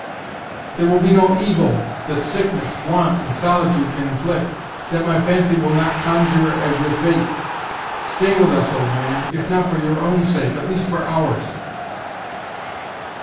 There will be no evil, that sickness, want, and solitude can inflict, that my fancy will not conjure as your fate. Stay with us, old man, if not for your own sake, at least for ours."